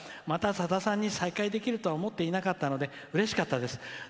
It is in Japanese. またさださんに再会できるとは思っていなかったのでうれしかったです。